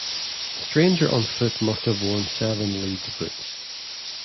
The stranger on foot must have worn seven-league boots.